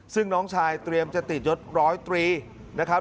ซึ่งน้องชายเตรียมจะติดยศ๑๐๓นะครับ